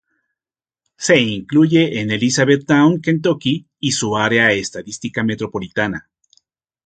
Se incluye en Elizabethtown, Kentucky, y su Área Estadística Metropolitana.